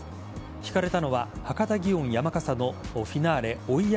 ひかれたのは博多祇園山笠のフィナーレ追い山